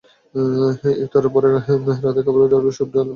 ইফতারের পরে রাতের খাবারে ডাল, স্যুপ, অল্প মসলা দিয়ে তরকারি, তরকারির ঝোল খান।